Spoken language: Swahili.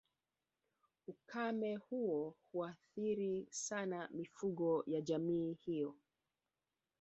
Ukame huo huathiri sana mifugo ya jamii hiyo